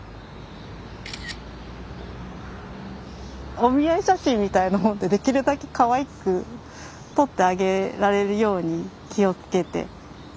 お見合い写真みたいなほんとにできるだけかわいく撮ってあげられるように気を付けています。